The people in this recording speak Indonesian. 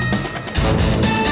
lo sudah bisa berhenti